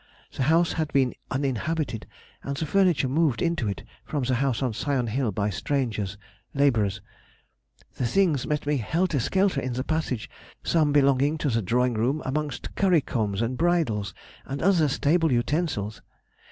The house had been uninhabited, and the furniture moved into it from the house on Sion Hill by strangers, labourers; the things met me helter skelter in the passage, some belonging to the drawing room amongst curry combs and bridles and other stable utensils.